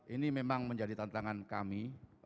ini memang menjadi tantangan kami